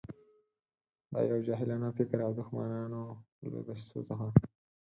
دا یو جاهلانه فکر او د دښمنانو له دسیسو څخه.